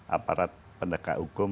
aparat pendekat hukum